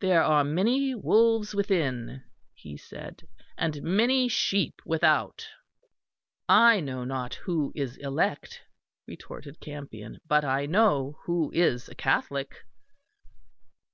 "There are many wolves within," he said, "and many sheep without." "I know not who is elect," retorted Campion, "but I know who is a Catholic."